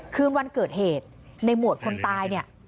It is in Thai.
คืนวันเกิดเหตุในหมวดคนตายเนี่ย